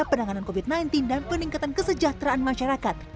penanganan covid sembilan belas dan peningkatan kesejahteraan masyarakat